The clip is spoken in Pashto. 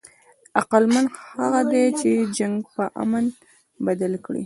عقلمند هغه دئ، چي جنګ په امن بدل کي.